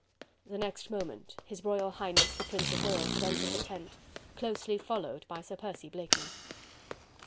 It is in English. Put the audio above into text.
The next moment His Royal Highness the Prince of Wales had entered the tent, closely followed by Sir Percy Blakeney.